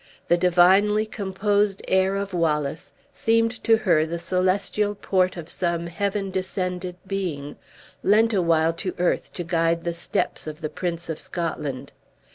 The divinely composed air of Wallace seemed to her the celestial port of some heaven descended being, lent awhile to earth to guide the steps of the Prince of Scotland.